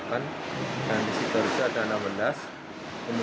kemudian di beberapa kabupaten kota misalnya ada di sumenep menambah lima